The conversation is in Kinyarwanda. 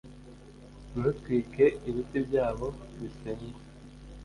mutwike ibiti byabo bisengwa,